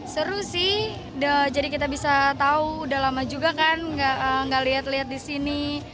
seru sih jadi kita bisa tahu udah lama juga kan nggak lihat lihat di sini